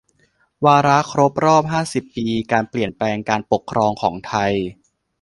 วาระครบรอบห้าสิบปี การเปลี่ยนแปลงการปกครองของไทย